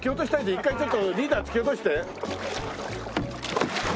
一回ちょっとリーダー突き落として。